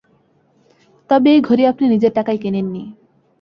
তবে এই ঘড়ি আপনি নিজের টাকায় কেনেন নি।